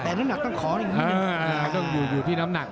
แต่น้ำหนักต้องขอนิดนึงอยู่ที่น้ำหนัก